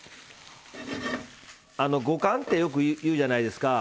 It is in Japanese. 五感ってよく言うじゃないですか。